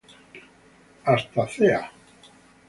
Hasta ca.